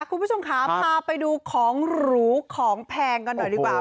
คุณผู้ชมค่ะพาไปดูของหรูของแพงกันหน่อยดีกว่า